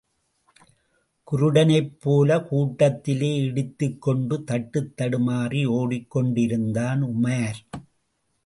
குருடனைப் போலக் கூட்டத்திலே இடித்துக்கொண்டு தட்டுத் தடுமாறி ஓடிக் கொண்டிருந்தான் உமார்.